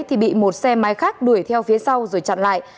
thì bị một xe máy khác đuổi theo phía sau rồi chặn lại